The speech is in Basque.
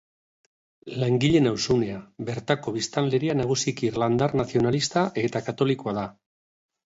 Langileen auzunea, bertako biztanleria nagusiki irlandar nazionalista eta katolikoa da.